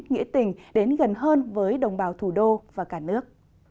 nghĩa tình đến gần hơn với đồng bào thủ đô và cả nước